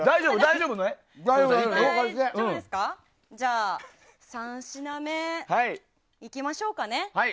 じゃあ、３品目いきましょうか。